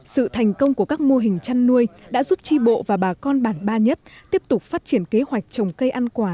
sự thành công của các mô hình chăn nuôi đã giúp tri bộ và bà con bản ba nhất tiếp tục phát triển kế hoạch trồng cây ăn quả